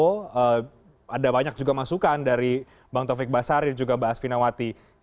pembangunan dari bank taufik basari juga banyak berbicara tentang finawati